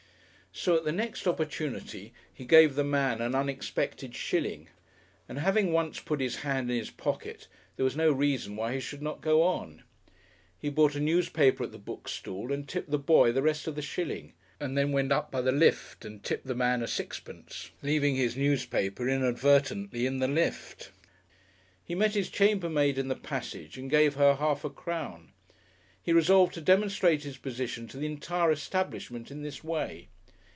So at the next opportunity he gave the man an unexpected shilling, and having once put his hand in his pocket, there was no reason why he should not go on. He bought a newspaper at the book stall and tipped the boy the rest of the shilling, and then went up by the lift and tipped the man a sixpence, leaving his newspaper inadvertently in the lift. He met his chambermaid in the passage and gave her half a crown. He resolved to demonstrate his position to the entire establishment in this way.